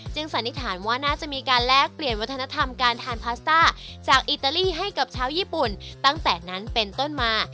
สันนิษฐานว่าน่าจะมีการแลกเปลี่ยนวัฒนธรรมการทานพาสต้าจากอิตาลีให้กับชาวญี่ปุ่นตั้งแต่นั้นเป็นต้นมา